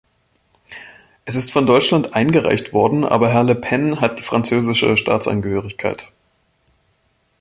Es ist von Deutschland eingereicht worden, aber Herr Le Pen hat die französische Staatsangehörigkeit.